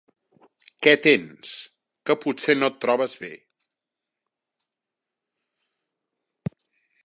- Què tens? Que pot-ser no et trobes bé